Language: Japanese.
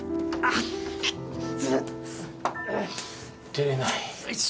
出れない。